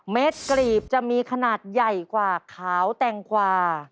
เด็ดกรีบจะมีขนาดใหญ่กว่าขาวแตงกวา